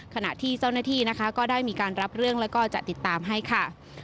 ขณะที่เจ้าหน้าที่นะคะก็ได้มีการรับเรื่องแล้วก็จะติดตามให้ค่ะ